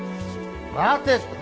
待てって！